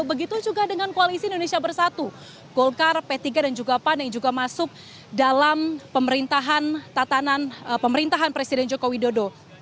begitu juga dengan koalisi indonesia bersatu golkar p tiga dan juga pan yang juga masuk dalam pemerintahan tatanan pemerintahan presiden joko widodo